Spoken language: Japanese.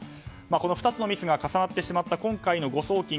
この２つのミスが重なってしまった今回の誤送金